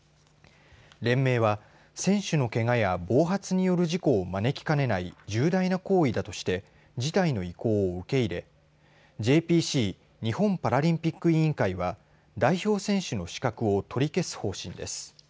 連盟は、選手のけがや暴発による事故を招きかねない重大な行為だとして辞退の意向を受け入れＪＰＣ＝日本パラリンピック委員会は代表選手の資格を取り消す方針です。